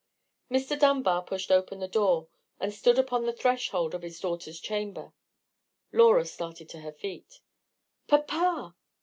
Mr. Dunbar pushed open the door, and stood upon the threshold of his daughter's chamber. Laura started to her feet. "Papa!